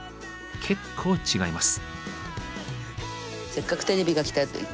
結構違います。